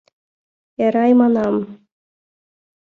Эрай, манам!